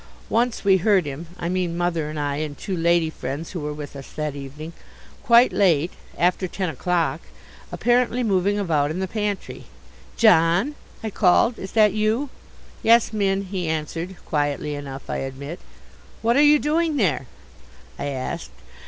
Once we heard him I mean Mother and I and two lady friends who were with us that evening quite late (after ten o'clock) apparently moving about in the pantry. "John," I called, "is that you?" "Yes, Minn," he answered, quietly enough, I admit. "What are you doing there?" I asked.